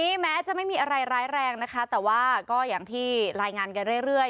นี่แม้จะไม่มีอะไรร้ายแรงนะคะแต่ว่าก็อย่างที่รายงานกันเรื่อย